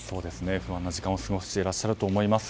不安な時間を過ごしていらっしゃると思います。